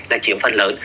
là chiếm phần lớn